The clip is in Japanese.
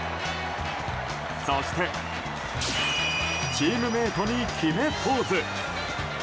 そしてチームメートに決めポーズ！